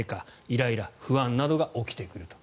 イライラ、不安などが起きてくると。